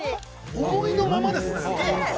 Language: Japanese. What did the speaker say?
「思いのままですねマジで」